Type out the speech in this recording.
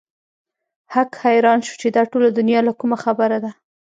هک حيران شو چې دا ټوله دنيا له کومه خبره ده.